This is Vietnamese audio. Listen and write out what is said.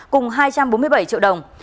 cùng hai trăm bốn mươi bảy triệu đồng